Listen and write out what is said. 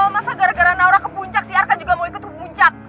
masa gara gara naura kepuncak si arka juga mau ikut kepuncak